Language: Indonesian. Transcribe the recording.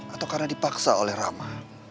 atau karena dipaksa oleh rama